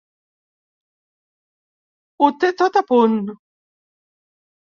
Ho té tot a punt.